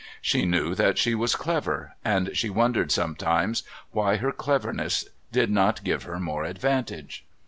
She knew that she was clever, and she wondered sometimes why her cleverness did not give her more advantage.